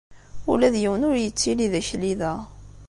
Ula d yiwen ur yettili d akli da.